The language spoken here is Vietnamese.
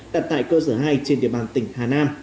đặt tại cơ sở hai trên địa bàn tỉnh hà nam